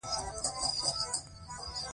عقلمن انسان یو بل راز هم پټ ساتلی و.